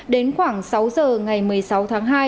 đến khoảng sáu h ngày một mươi sáu h